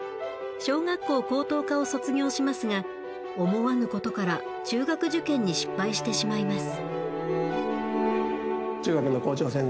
小学校高等科を卒業しますが思わぬことから中学受験に失敗してしまいます。